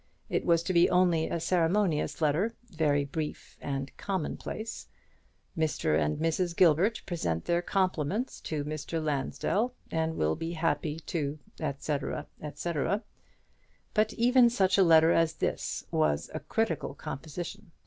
It was to be only a ceremonious letter, very brief and commonplace: "Mr. and Mrs. Gilbert present their compliments to Mr. Lansdell, and will be happy to," &c, &c. But even such a letter as this was a critical composition.